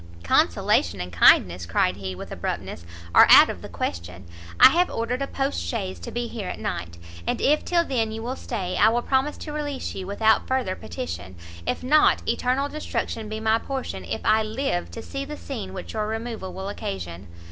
"Consolation and kindness," cried he, with abruptness, "are out of the question. I have ordered a post chaise to be here at night, and if till then you will stay, I will promise to release you without further petition if not, eternal destruction be my portion if I live to see the scene which your removal will occasion!"